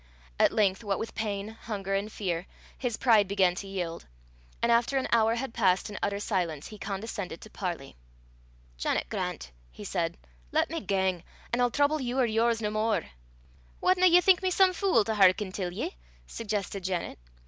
At length, what with pain, hunger, and fear, his pride began to yield, and, after an hour had passed in utter silence, he condescended to parley. "Janet Grant," he said, "lat me gang, an' I'll trouble you or yours no more." "Wadna ye think me some fule to hearken till ye?" suggested Janet.